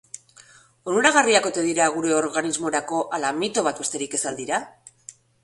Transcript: Onuragarriak ote dira gure organismorako ala mito bat besterik ez dira?